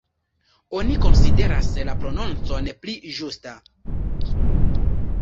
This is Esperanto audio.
Oni konsideras la prononcon pli ĝusta.